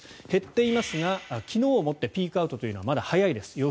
減っていますが昨日をもってピークアウトというのはまだ早いです。